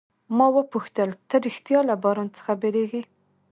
ما وپوښتل، ته ریښتیا له باران څخه بیریږې؟